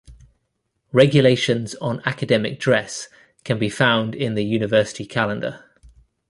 Regulations on academic dress can be found in the University Calendar.